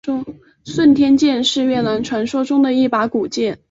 顺天剑是越南传说中的一把古剑。